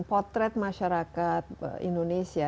potret masyarakat indonesia